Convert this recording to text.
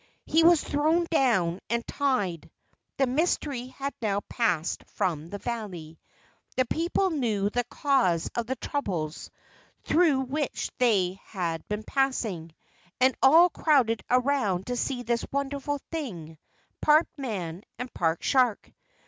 He was thrown down and tied. The mystery had now passed from the valley. The people knew the cause of the troubles through which they had been passing, and all crowded around to see this wonderful thing, part man and part shark.